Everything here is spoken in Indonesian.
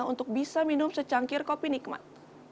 untuk bisa minum secangkir kopi nikmat